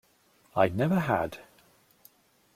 I never had.